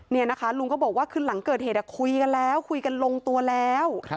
นี่นะคะลุงก็บอกว่าคือหลังเกิดเหตุคุยกันแล้วคุยกันลงตัวแล้ว